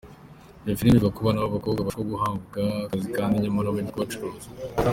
Iyo filime ivuga ku bana b’abakobwa bashukwa guhabwa akazi kandi nyamara bagiye kubacuruza.